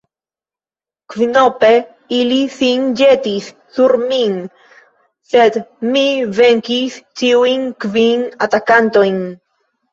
Kvinope ili sin ĵetis sur min, sed mi venkis ĉiujn kvin atakantojn.